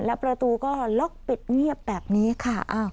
และประตูก็ล็อกปิดเงียบแบบนี้ค่ะ